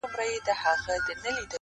پر مخ لاسونه په دوعا مات کړي،